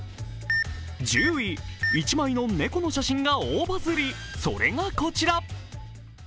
１０位、１枚の猫の写真が大バズリそれがこちら。